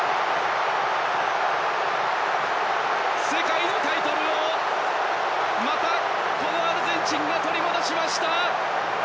世界のタイトルをアルゼンチンが取り戻しました！